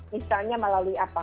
misalnya melalui apa